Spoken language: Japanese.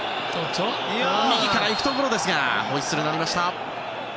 右から行くところでしたがホイッスルが鳴りました。